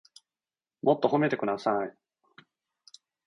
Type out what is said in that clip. もっと褒めてください